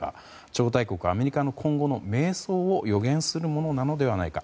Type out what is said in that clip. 超大国アメリカの今後の迷走を予言するものなのではないか。